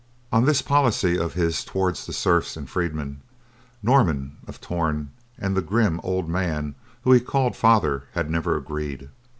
On this policy of his toward the serfs and freedmen, Norman of Torn and the grim, old man whom he called father had never agreed.